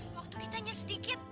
waktu kita hanya sedikit